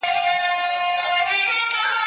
زه مخکي ځواب ليکلی و،